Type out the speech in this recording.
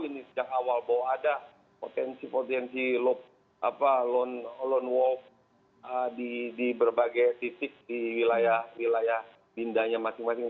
ini sejak awal bahwa ada potensi potensi lone wolf di berbagai titik di wilayah wilayah bindanya masing masing